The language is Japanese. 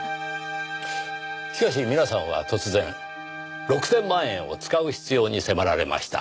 しかし皆さんは突然６千万円を使う必要に迫られました。